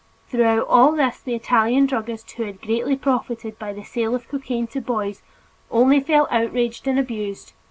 Through all this the Italian druggist, who had greatly profited by the sale of cocaine to boys, only felt outraged and abused.